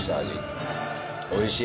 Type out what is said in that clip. おいしい！